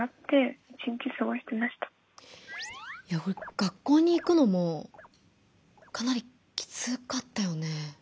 学校に行くのもかなりきつかったよね。